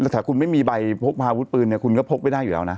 ถ้าคุณไม่มีใบพกพาอาวุธปืนคุณก็พกไม่ได้อยู่แล้วนะ